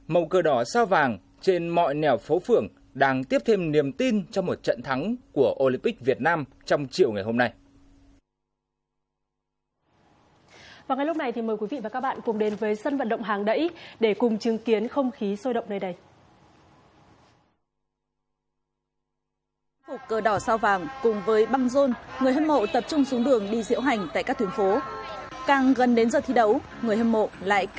mẫu cờ đỏ sao vàng trên mọi nẻo phố phưởng đang tiếp thêm niềm tin cho một trận thắng của olympic việt nam trong triệu ngày hôm nay